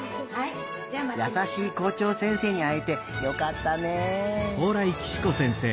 やさしいこうちょう先生にあえてよかったね。